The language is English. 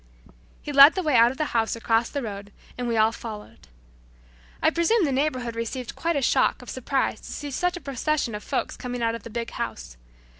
He led the way out of the house and across the road, and we all followed. I presume the neighborhood received quite a shock of surprise to see such a procession of folks coming out of the big house.